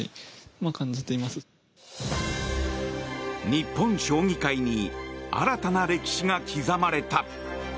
日本将棋界に新たな歴史が刻まれた。